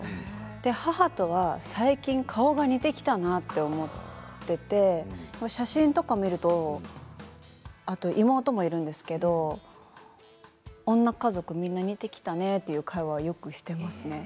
母とは最近、顔が似てきたなって思っていて、写真とか見るとあと妹もいるんですけど女家族、みんな似てきたっていう会話をよくしていますね。